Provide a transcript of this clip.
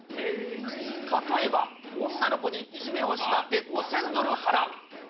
例えば、女の子にいじめをしたで５０００ドル払う。